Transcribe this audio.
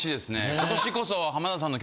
今年こそ。